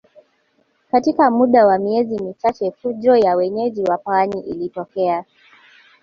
Katika muda wa miezi michache fujo ya wenyeji wa pwani ilitokea